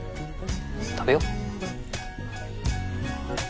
食べよう。